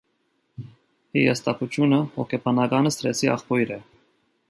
Հիասթափությունը հոգեբանական սթրեսի աղբյուր է։